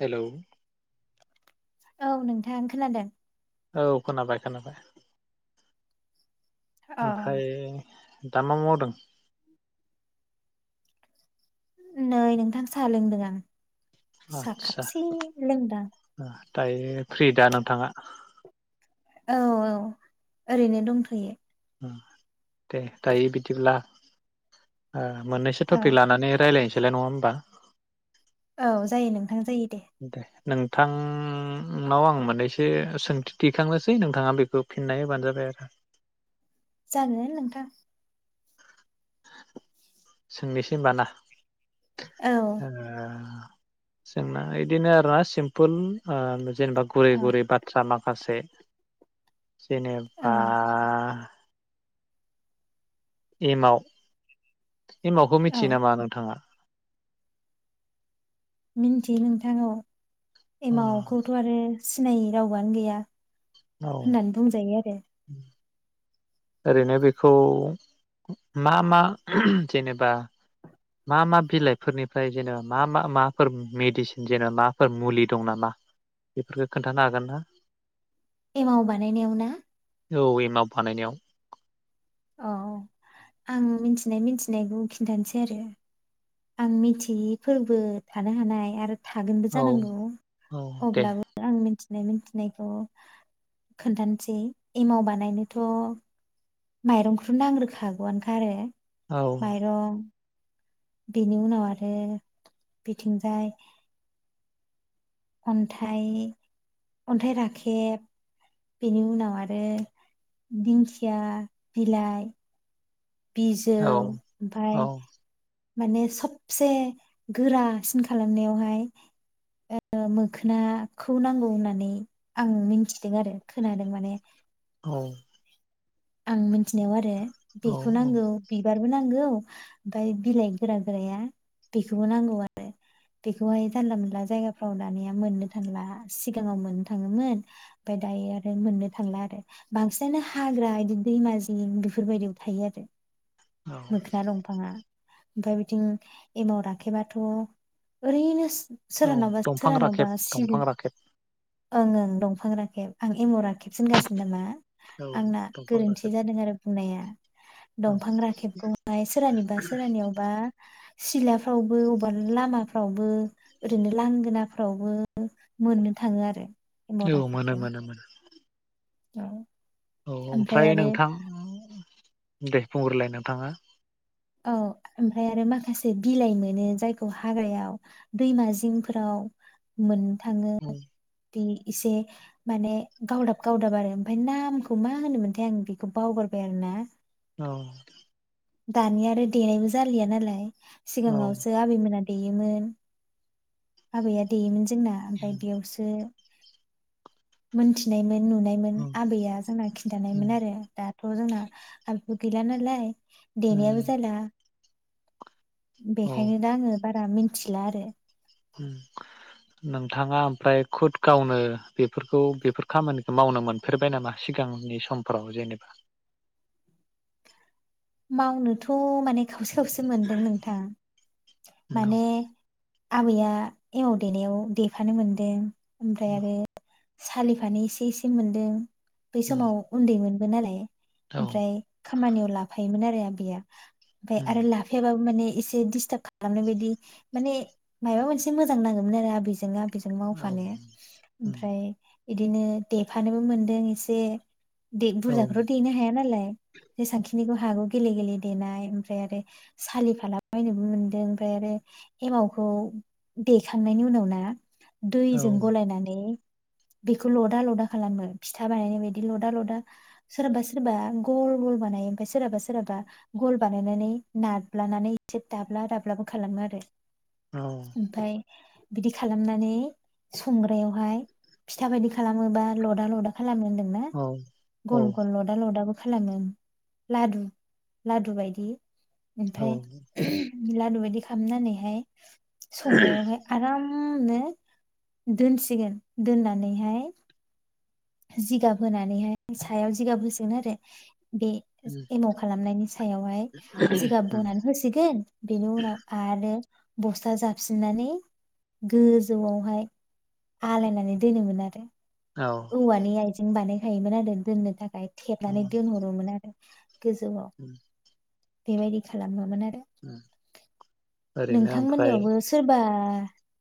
Hello औ नोंथां खोनादों औ खोनाबाय खोनाबाय अ ओमफ्राय दा मा मावदों नै नोंथां सा लोंदों आं सा आदसा खाबसे लोंदां दायो फ्रि दा नोंथाङा औ औ ओरैनो दंथयो दे दायो बिदिब्ला ओ मोननैसो औ टपिक लानानै रायलायनोसैलाय नङा होमबा औ जायो नोंथां जायो दे नोंथांनाव आं मोननैसो सोंथि दिखांनोसै नोंथाङा बेखौ फिननाय होबानो जाबाय आरो जागोन नोंथां सोंनोसै होनब ना औ ओ जोंना इदिनो आरोना सिम्पोल जेनेबा गुरै औ गुरै बाथ्रा माखासे जेनेबा एमाव एमावखौ औ मिथियो नामा नोंथाङा? मिन्थियो नोंथां औ। अ एमावखौथ आरो सिनायै रावबोआनो गैया औ होनानै बुंंजायो आरो ओरैनो बेखौ मा मा जेनेबा मा मा बिलाइफोरनिफ्राय जेनेबा मा मा माफोर मेडिसिन जेनबा माफोर मुलि दं नामा बेफोरखौ खोन्थानो हागोन ना? एमाव बानायनायाव ना? औ एमाव बानायनायाव। औ आं मिथिनाय मिथिनायखौ खिन्थानोसै आरो आं मिथियि फोरबो थानो हानाय आरो थागोनबो औ जानांगौ औ दे अब्लाबो आं मिथि नाय मिथिनायखौ खोन्थानोसै एमाव बानायनोथ माइरंखौ नांग्रोखागौआनोखा आरो औ माइरं बेनि उनाव आरो बिथिंजाय अन्थाइ अन्थाइ राखेब बेनि उनाव आरो दिंखिया बिलाइ बिजौ औ ओमफाय औ माने सबसे गोरासिन खालामनायावहाय ओ मोखोनाखौ नांगौ होननानै आं मिन्थिदों आरो खोनादों माने औ आं मिथिनायाव आरो औ बेखौ नांगौ बिबार बेबो नांगौ ओमफ्राय बिलाइ गोरागोराया बेखौबो नांगौ आरो बेखौहाय जानलामोनला जायगाफ्राव दानिया मोननो थांला सिगांआव मोननो थांङोमोन ओमफ्राय दायो आरो मोननो थांला आरो बांसिनानो हाग्रा दैमाजिं बेफोरबायदियाव थायो आरो। औ मोख्रा दंफाङा ओमफ्राय बिथिं एमाव रांखेबाथ' ओरैनो - - औ सोरहानावबा दंफां सोरहानावबा राखेब सिल दंफां - राखेब - ओं ओं दंफां राखेब आं एमाव राखेबसो होनगागासिनो नामा? औ आंना दंफां गोरोन्थि राखेब जादों आरो बुंनाया औ दंफां राखेब दंहाय सोरहानियावबा सोरहानियावबा सिलाफ्रावबो अबबा लामाफ्रावबो ओरैनो लांगोनाफ्रावबो मोननो थाङो आरो एमाव औ मोनो राखेबखौ मोनो मोनो। औ औ ओमफ्राय नोंथां दे बुंहरलाय नोंथाङा औ ओमफ्राय आरो माखासे बिलाइ मोनो जायखौ हाग्रायाव दैमा जिंफोराव मोन थाङो औ बे एसे माने गावदाब - गावदाब आरो ओमफ्राय नामखौ मा होनोमोनथाय आं बेखौ बावगारबाय आरो ना औ दानि आरो देनायबो जालिया नालाय औ सिगाङावसो आबै मोना देयोमोन आबैया देयोमोन जोंना ओमफ्राय बेयावसो मोनथिनाय नुनायमोन आबैया जोंना खिन्थानायमोन आरो दा नआव जोंना [unintelligible] गैला नालाय देनायाबो जाला औ बेखायनो दा आङो बारा मिन- थिला आरो उम नोंथाङा ओमफ्राय खुद गावनो बेफोरखौ बेफोर खामानिखौ मावनो मोनफेरबाय नामा सिगांनि समफोराव जेनेबा मावनोथ' माने खावसे- खावसे मोनदों नोंथां औ माने आबैया एमाव देनायाव देफानो मोनदों ओमफ्राय आरो सालिफानो एसे - एसे मोनदों बै समाव उन्दैमोन [unintelligible] औ ओमफ्राय खामानियाव ला हायमोनना आरो आबैया ओमफ्राय आरो लाफायाबाबो माने एसे दिस्टाब खालामनाय बायदि माने माबा मोनसे मोजां नाङोमोन आरो आबैजों आ बेजों औ मावफानो ओमफ्राय बिदिनो देफानोबो मोनदों एसे दे बुरजाखौथ' देनो हाया नालाय जेसांखि बिनिखौ हाखौ गेले- गेले देनाय ओमफ्राय आरो सालिफालाबायनोबो मोनदों ओमफ्राय आरो एमावखौ देखांनायनि उनाव ना दैजों गलायनानै बेखौ लदा - लदा खालामो फिथा बानायनाय बायदि लदा लदा सोरबा सोरबा गल - गल बानायो ओमफ्राय सोराबा सोराबा गल बानायनानै नाब्लानानै एसे दाब्ला दाब्लाबो खालामो आरो औ ओमफाय बिदि खालामनानै संग्रायावहाय फिथा बायदि खालामोबा लदा लदा खालामो होनदोंना गल गल लदा लदाबो खालामो। लादु लादु बायदि औ ओमफाय लादुबायदि खालामनानैहाय संग्रायावहाय आराम [unintelligible] दोनसिगोन दोननानैहाय जिगाब होनानैहाय सायाव जिगाब होसगोन आरो बे एमाव खालामनायनि जा सायावहाय जिगाब बनानै होसिगोन बेनि उनाव आरो बस्था जाबसिननानै गोजौआवहाय आलायनानै दोनोमोन आरो। औवानि आयजें बानाय थायोमोन आरो दोननो थाखाय। थेबनानै दोनहरोमोन आरो गोजौआव उम बेबायदि खालामोमोन आरो ओरैनो नोंथां ओमफ्राय मोननियावबो सोरबा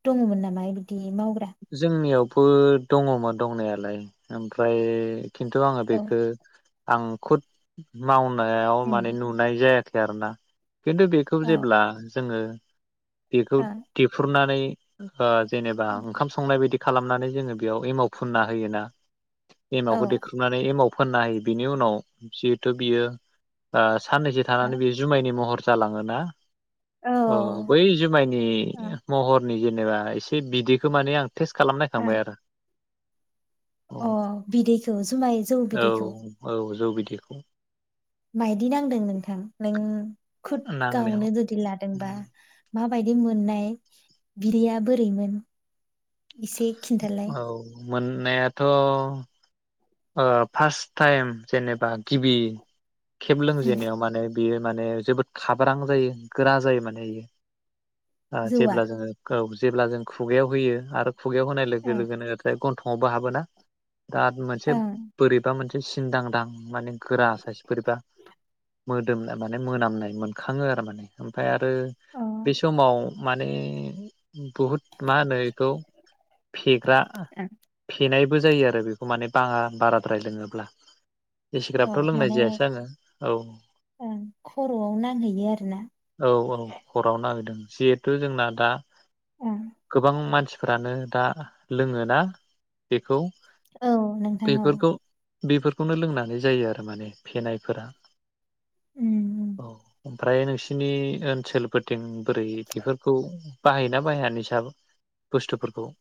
दङमोन नामा इबि दि मावग्रा बो दङ मोन दंनायालाय ओमफ्राय खिन्थु आङो औ बेखो आं खुद माव नायाव माने नुनाय जाया खै आरोना। खिन्थु बेखौ औ जेब्ला जोङो बेखौ औ देफ्रुनानै [unintelligible] ओ जेनेबा ओंखाम संनाय बायदि खालामनानै जोङो बेयाव एमाव फुनना होयोना एमावखौ ओं देख्रुमनानै एमाव फोनना हायो बिनि उनाव जिहेथु बियो ओ साननैसो औ थानानै बेयो जुमायनि महर जालाङोना। औ बै जुमायनि महरनि जे नेबा एसे बिदैखो माने आं टेस्ट औ खालामनायखांबाय आरो औ अ बिदैखौ जुमाय जौ बिदैखौ दैखौ। मायदि नांदों नोंथां नों खुद नांनायाव गावनो जुदि लादोंबा मा बायदि मोननाय बिदैया बोरैमोन? एसे खिन्थालाय। औ मोननायाथ ओ फार्स्ट टाइम जेनेबा गिबि खेब लोंजेननायाव माने बेयो माने जोबोद खाब्रां जायो गोरा जायो माने इयो। ओ जौआ जेब्ला जोङो गौ जेब्ला जों खुगायाव होयो आरो खुगायाव होनाय लोगो ओं लोगोनो थाय गन्थं हमबा हाबोनोना? दात मोनसे बोरैबा मोनसे सिनदांदां माने गोरा साइस बोरैबा मोदोमनाय माने मोनामनाय मोनखाङो आरो माने ओमफय आरो बे ओं समाव माने बहुद मा होनो इखौ फेग्रा अ फेनाय बो जायो आरो बेखौ माने बाङा बाराद्राय लोङोब्ला औ एसेग्राबथ' लोंनाय माने जायासै आङो ओं खर'आव नांहैयो आरोना। हरावनो नागिरदों जिहेथु जोंना दा ओं गोबां मानसि फोरानो दा लोङो ना बेखौ। औ नोंथां। औ बेफोरखौ बेफोरखौनो लोंनानै जायो आरो माने फेनायफोरा। उम औ उम उम। फ्राय नोंसिनि ओनसोलफोरथिं बोरै इफोरखौ बाहायोना बाहाया निस बुस्थुफोरखौ?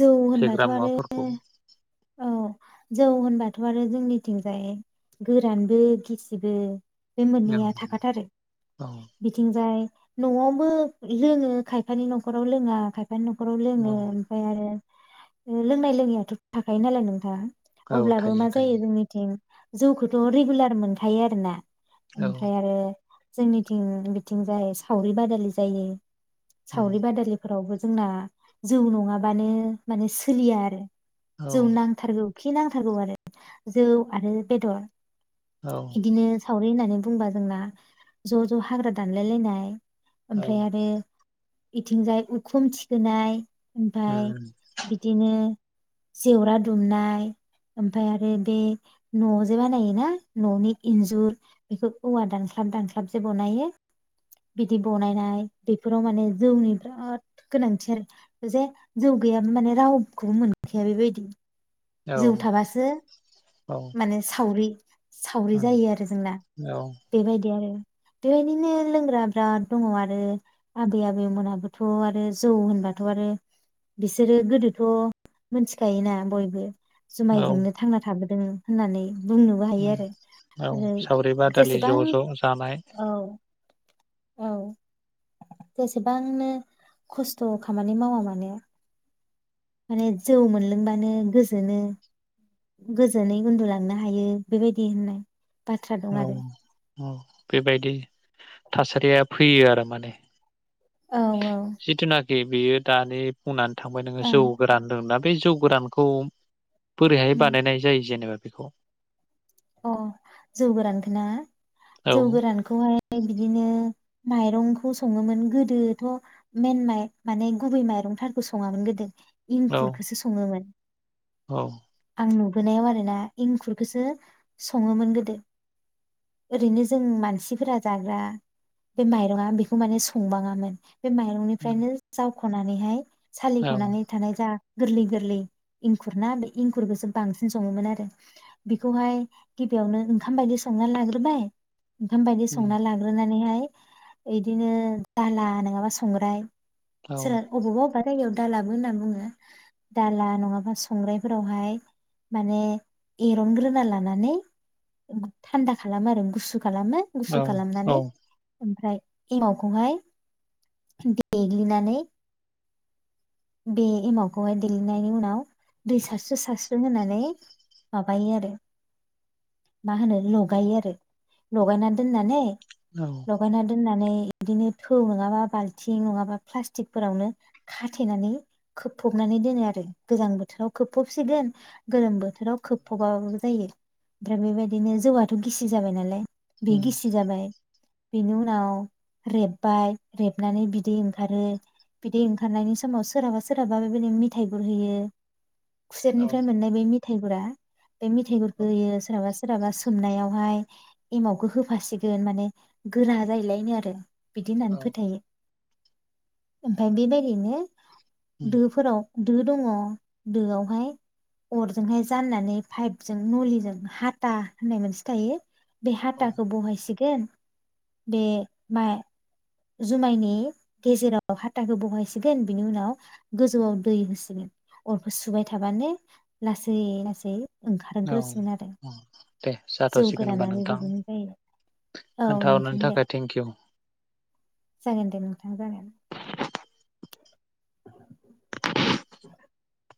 जौ होनबाथ' फेग्रा आरो मुवाफोरखौ औ जौ होनबाथ' आरो जोंनिथिंजाय गोरानबो गिसिबो बे औ मोननैया थाखाथारो औ बिथिंजाय न'आवबो लोङो खायफानि न'खराव लोङा खायफ फाय न'खराव लोङोम औ ओमफाय आरो ओ लोंनाय लोङिआथ' थाखायो नालाय नोंथां। औ अब्लाबो थायो मा थायो जायो जोंनिथिं जौखौथ' रेगुलार मोनखायो आरोना औ ओमफ्राय आरो जोंनिथिं बिथिं जाय सावरि बादालि जायो। उम सावरि बादालिफोरावबो ज जोंना जौ नङाब बानो माने सोलिया आरो औ जौ नांथारगौ। खि नांथारगौ आरो जौ आरो बेदर। औ बिदिनो सावरि होननानै बुंबा जोंना ज' ज' हाग्रा दानलाय लायनाय औ ओमफ्राय आरो इथिंजाय उखुम थिखोनाय फाय उम बिदिनो जेवरा दुमनाय ओमफाय आरो बे न' जे बानायोना न'नि इन्जुर बेखौ औवा दानख्लाब दानख्लाब जे बनायो बिदि बनायनाय बेफोराव माने जौनि बिराद गोनांथि आरो जे जौ गैयाबा माने रावखौबो मोनखाया बेबायदि। औ जौ थाबासो माने सावरि। सावरि उम जायो आरो जोंना औ बेबायदि आरो बेबायदिनो लोंग्रा बिराद दङ आरो आबै आबैमोनाबोथ' आरो जौ होनबाथ' आरो बिसोरो गोदोथ' मोन्थिखायोना बयबो औ जुमायजों नो थांना थाबोद दों होननानै बुंनोबो हायो उम आरो औ आरो सावरि बादालि जेसेबां ज' ज' जानाय औ औ जेसेबांनो खस्थ' खामानि मावा मानो माने जौ मोनलोंबानो गोजोनो गोजोनै उन्दुलांनो हायो बेबायदि होननाय बाथ्रा दं आरो अ बेबायदि थासारिया फैयो आरो माने औ औ जिथुना ए बेयो दानि फुनान थांबाय नोङो जौ ओं गोरान होनदोंना बे जौ गोरानखौ बोरैहाय उम बानायनाय जायो जेनेबा बेखौ अ जौ गोरान खोना औ जौ गोरानखौहाय आयै बिदिनो माइरंखौ सङोमोन गोदोथ' मेन माइ माने गुबै माइरंफोरखौ सङामोन गोदो औ इंखुरखौसो सङोमोन औ आं नुबोनायाव आरो ना इंखुरखौसो सङोमोन गोदो ओरैनो जों मानसिफोरा जाग्रा बे माइरङा बेखौ माने संबाङामोन बे माइरनिफ्रायनो जा ख'नानैहाय औ सालिख'नानै थानाय जा गोरलै गोरलै इंखुर ना बे इंखुरखौसो बांसिन सङोमोन आरो बेखौहाय गिबियावनो ओंखाम बायदि संना लाग्रोबाय ओंखाम बायदि संना लाग्रोनानैहाय इदिनो दाला नङाबा संग्राय औ सोरा अबावबा अबावबा जायगायाव दालाबो होनना बुङो दाला नङाबा संग्रायफोरावहाय माने एरनग्रोना लानानै थान्दा खालामो आरो गुसुखौ खालामो औ गुसु खालामनानै ओमफ्राय एमावखौहाय देग्लिनानै बे एमावखौहाय देग्लिनायनि उनाव दै सारस्र्रो सारस्रो होनानै माबायो आरो मा होनो लगायो आरो लगायना दोननानै लगायना दोननानै बिदिनो थौ नङाबा बालथिं नङाबा प्लासटिकफोरावनो खाथे खाथेनानै खोबफबनानै दोनो आरो गोजां बोथोराव खोबफबसिगोन गोलोम बोथोराव खोबफबाबाबो जायो ओमफ्राय बेबायदिनो जौआथ गिसि जाबाय नालाय बे गिस जाबाय बेनि उनाव रेबबाय रेबनानै बिदै ओंखारो बिदै ओंखारनायनि समाव सोरहाबा सोरहाबा बेबायदि मिथाइ गुरहोयो औ खुसेरनिफ्राय मोननाय बे मेथाइ गुरा बेे मेथाइ गुरखौ होयो सोरहाबा सोरहाबा सोमनायावहाय एमावखौ होफासिगोन माने गोरा जाहैलायनो आरो बिदि होननानै फोथायो ओमफ्राय बेबायदिनो दोफोराव दो दङ दोआवहाय अरजोंहाय जाननानै पाइपजों नलिजों हाथा होननाय मोनसे थायो। बे हाथाखौ बहायसिगोन गोन दे मा जुमायनि गेजेराव हाथाखौ बहायसिगोन बिनि उनाव गोजौआव दै होसिगोन अरखौ सुबाय थाबानो लासै लासै औ ओंखारग्रोसिगोन आरो औ दे जौ जाथ'सिगोन होमबा गोराना नोंथां बेबायदिनो जायो औ खोन्थाहरनायनि नोंथां दे थाखाय थेंकिउ। जागोन दे नोंथां जागोन। [unintelligible] [unintelligible]